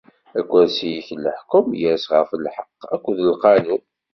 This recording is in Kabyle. Akersi-k n leḥkwem yers ɣef lḥeqq akked lqanun.